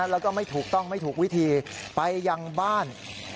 แล้วก็ไม่ถูกต้องไม่ถูกวิธีไปยังบ้าน